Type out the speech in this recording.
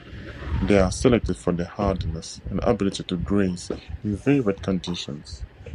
They are selected for their hardiness and ability to graze in very wet conditions.